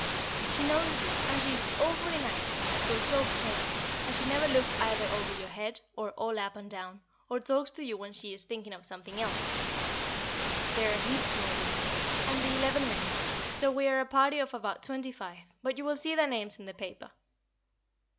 She knows you, and she is awfully nice, though so plain, and she never looks either over your head, or all up and down, or talks to you when she is thinking of something else. There are heaps more women, and the eleven men, so we are a party of about twenty five; but you will see their names in the paper.